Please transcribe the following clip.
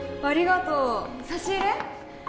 ありがとう差し入れ？